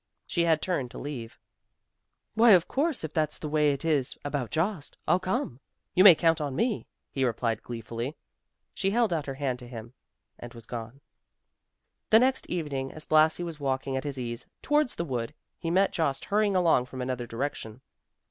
she had turned to leave him. "Why of course, if that's the way it is about Jost, I'll come. You may count on me," he replied gleefully. She held out her hand to him, and was gone. The next evening, as Blasi was walking at his ease, towards the wood, he met Jost hurrying along from another direction.